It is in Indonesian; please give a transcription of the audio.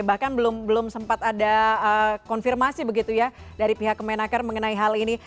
bahkan belum sempat ada konfirmasi begitu ya dari pihak kemenaker mengenai hal ini